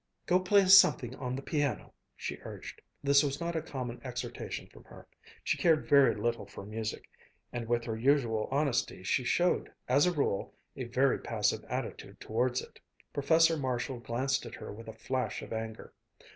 "Go play us something on the piano," she urged. This was not a common exhortation from her. She cared very little for music, and with her usual honesty she showed, as a rule, a very passive attitude towards it. Professor Marshall glanced at her with a flash of anger.